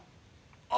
あ！